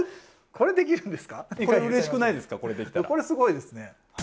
これすごいですね。